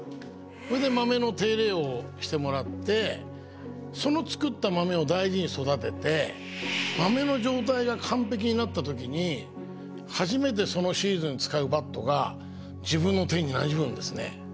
それでマメの手入れをしてもらってその作ったマメを大事に育ててマメの状態が完璧になった時に初めてそのシーズン使うバットが自分の手になじむんですね。